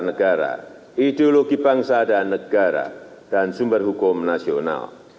negara ideologi bangsa dan negara dan sumber hukum nasional